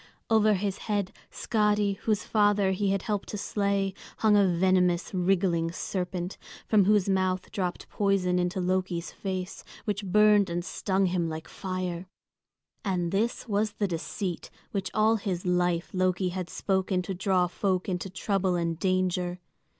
Over his head Skadi, whose father he had helped to slay, hung a venomous, wriggling serpent, from whose mouth dropped poison into Loki's face, which burned and stung him like fire. And this was the deceit which all his life Loki had spoken to draw folk into trouble and danger.